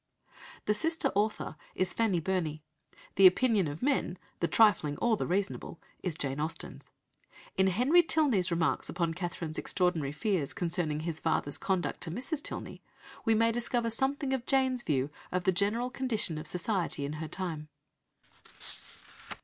The sister author is Fanny Burney. The opinion of men, the "trifling" or the "reasonable," is Jane Austen's. In Henry Tilney's remarks upon Catherine's extraordinary fears concerning his father's conduct to Mrs. Tilney we may discover something of Jane's view of the general condition of society in her time.